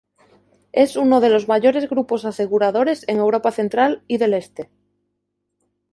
Es uno los mayores grupos aseguradores en Europa Central y del Este.